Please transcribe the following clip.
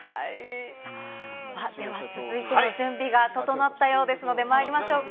では、続いての準備が整ったようですので、まいりましょうか。